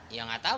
ya gak tau